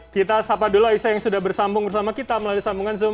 kita sapa dulu aisyah yang sudah bersambung bersama kita melalui sambungan zoom